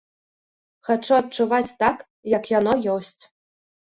Хачу адчуваць так, як яно ёсць.